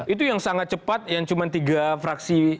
itu yang sangat cepat yang cuma tiga fraksi